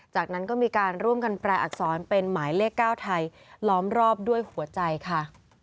จากนั้นก็มีการร่วมกันแปลอักษรเป็นหมายเลข๙ไทยล้อมรอบด้วยหัวใจค่ะ